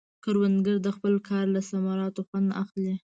کروندګر د خپل کار له ثمراتو خوند اخلي